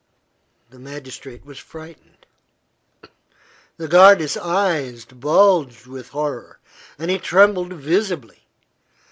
The magistrate was frightened. The guarde's eyes bulged with horror and he trembled visibly.